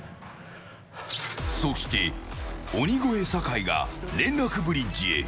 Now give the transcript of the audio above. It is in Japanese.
そして、鬼越、坂井が連絡ブリッジへ。